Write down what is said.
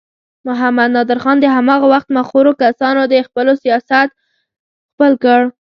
محمد نادر خان د هماغه وخت مخورو کسانو د خپلولو سیاست خپل کړ.